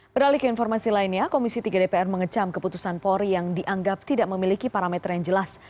beralik informasi lainnya komisi tiga dpr mengecam keputusan polri yang dianggap tidak memiliki parameter yang jelas